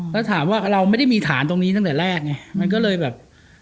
แล้วถามว่าเราไม่ได้มีฐานตรงนี้ตั้งแต่แรกไงมันก็เลยแบบ